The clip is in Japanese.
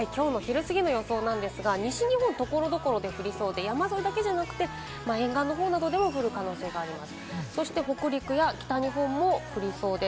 きょうの昼すぎの予想なんですが、西日本、所々で降りそうで、山沿いだけじゃなくって、沿岸などでも降る可能性があります。